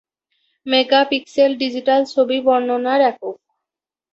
Mega pixel digital ছবির বর্ণনার একক।